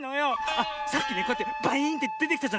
あっさっきこうやってバイーンってでてきたじゃない？